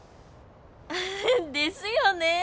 ですよね！